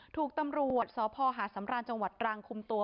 ถูกตำรวจสพหาดสำราญจังหวัดตรังคุมตัว